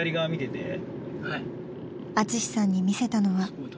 ［アツシさんに見せたのは］